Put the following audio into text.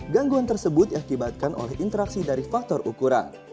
gangguan tersebut diakibatkan oleh interaksi dari faktor ukuran